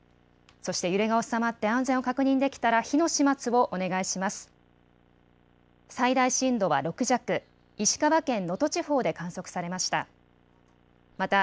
そして揺れが収まって安全を確認できたら火の始末をお願いします。